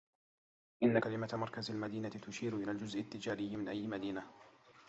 إن كلمة مركز المدينة تشير إلى الجزء التجاري من أي مدينة.